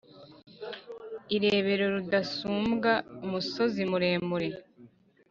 irebero rudasumbwa umusozi muremure